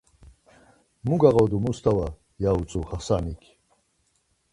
Mu gağodu Mustava? ya utzu Xasanik.